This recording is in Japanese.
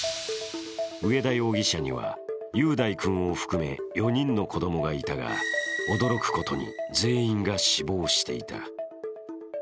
上田容疑者には雄大君を含め４人の子供がいたが、驚くことに、全員が死亡していた。